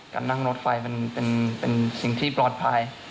การนั่งรถไฟมันเป็นสิ่งที่ปลอดภัย